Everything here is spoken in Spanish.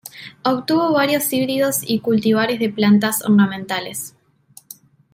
Obtuvo varios híbridos y cultivares de plantas ornamentales.